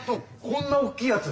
こんな大きいやつ。